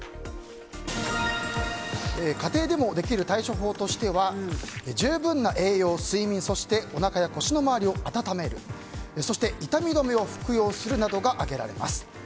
家庭でもできる対処法としては十分な栄養摂取、睡眠そしておなかや腰の周りを温めるそして、痛み止めを服用するなどが挙げられます。